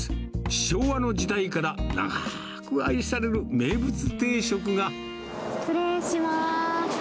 昭和の時代から長ーく愛される名失礼します。